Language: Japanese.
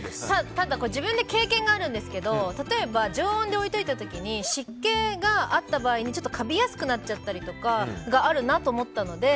自分で経験があるんですけど例えば常温で置いといた時に湿気があった時にかびやすくなったりとかがあるなと思ったので。